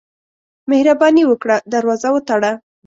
مهرباني وکړه، دروازه وتړه.